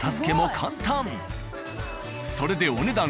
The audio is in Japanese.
それでお値段